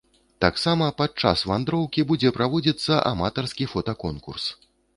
Таксама пад час вандроўкі будзе праводзіцца аматарскі фотаконкурс.